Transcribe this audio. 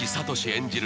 演じる